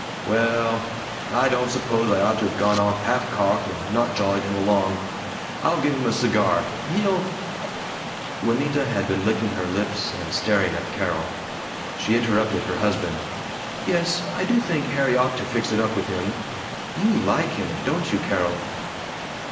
"Well I don't suppose I ought to have gone off half cocked, and not jollied him along. I'll give him a cigar. He'll " Juanita had been licking her lips and staring at Carol. She interrupted her husband, "Yes, I do think Harry ought to fix it up with him. You LIKE him, DON'T you, Carol??"